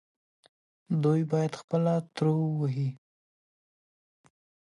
دوی باید خپلې تورو ووهي.